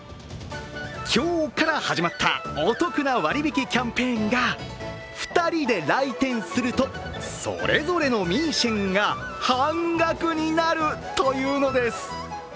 今日から始まったお得な割り引きキャンペーンが２人で来店すると、それぞれのミーシェンが半額になるというのです。